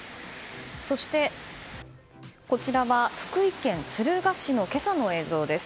そして、こちらは福井県敦賀市の今朝の映像です。